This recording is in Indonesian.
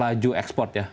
lalu kita lihat ekspor ya